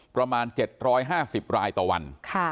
ประมาณ๗๕๐รายต่อวัน